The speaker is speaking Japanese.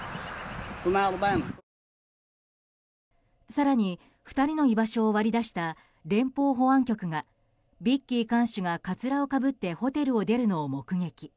更に２人の居場所を割り出した連邦保安局がビッキー看守がかつらをかぶってホテルを出るのを目撃。